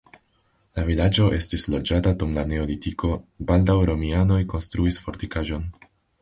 La vilaĝo estis loĝata dum la neolitiko, baldaŭ romianoj konstruis fortikaĵon.